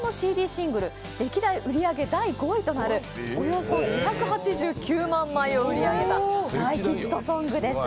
シングル歴代売り上げ第５位となるおよそ２８９万枚を売り上げた大ヒットソングです。